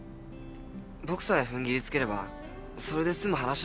僕さえふんぎりつければそれで済む話なんだよね。